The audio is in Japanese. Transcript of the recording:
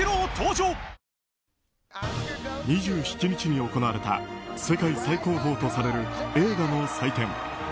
２７日に行われた世界最高峰とされる映画の祭典